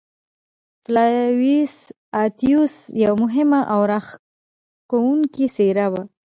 فلاویوس اتیوس یوه مهمه او راښکوونکې څېره وه.